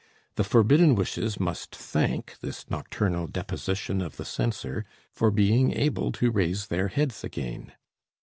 The forbidden wishes must thank this noctural deposition of the censor for being able to raise their heads again.